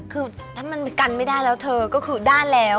คือถ้ามันกันไม่ได้แล้วเธอก็คือด้านแล้ว